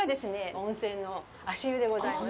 温泉の足湯でございます。